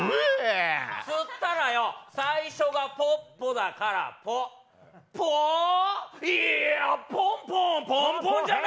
つったらよ、最初がポップだからポぽー？いや、ポンポン、ポンポンじゃね？